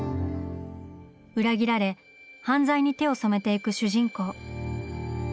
裏切られ犯罪に手を染めていく主人公。